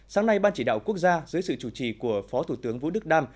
sáng nay ban chỉ đạo quốc gia dưới sự chủ trì của phó thủ tướng vũ đức đam